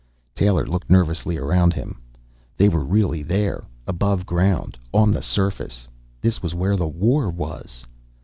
Taylor looked nervously around him. They were really there, above ground, on the surface. This was where the war was.